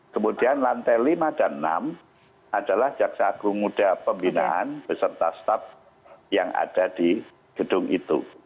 kemudian lantai lima dan enam adalah jaksa agung muda pembinaan beserta staff yang ada di gedung itu